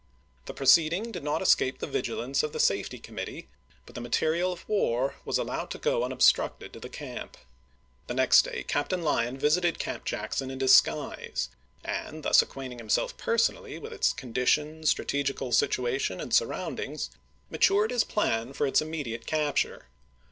The proceeding did not escape the vigilance of the Safety Committee, but the material of war was allowed to go unobstructed to the camp. The next MISSOURI 213 day Captain Lyon visited Camp Jackson in dis chap. xr. guise, and thus acquainting himself personally with its condition, strategical situation, and surround ings, matured his plan for its immediate capture.